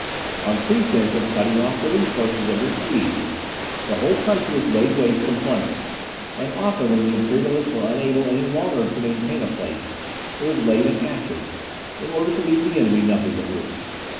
On pretence of cutting off the resources of the Swedes, the whole country was laid waste and plundered; and often when the Imperialists were unable any longer to maintain a place, it was laid in ashes, in order to leave the enemy nothing but ruins.